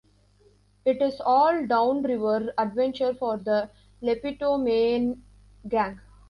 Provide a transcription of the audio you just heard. It is all down river adventure for the Lepetomane gang.